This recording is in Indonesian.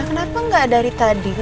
kenapa gak dari tadi